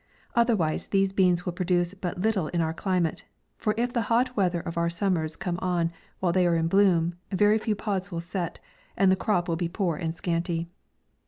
Otherwise these beans will produce but little in our climate, for if the hot weather of our summers come on while they are in bloom, very few pods will set, and the crop will be poor and scanty.